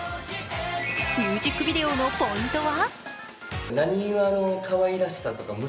ミュージックビデオのポイントは？